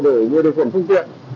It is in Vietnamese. để người điều khiển phương tiện